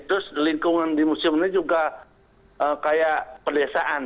terus lingkungan di museum ini juga kayak pedesaan